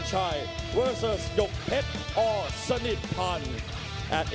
จากท่านครับ